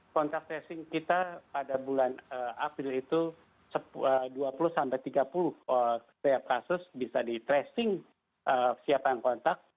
kontak tracing kita pada bulan april itu dua puluh tiga puluh setiap kasus bisa di tracing siapa yang kontak